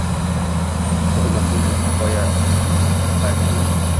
tugʼilmoqning oʼzi qifoya balki.